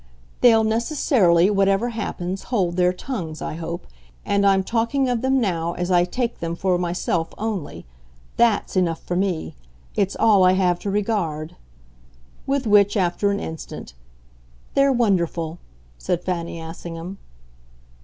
"They'll necessarily, whatever happens, hold their tongues, I hope, and I'm talking of them now as I take them for myself only. THAT'S enough for me it's all I have to regard." With which, after an instant, "They're wonderful," said Fanny Assingham.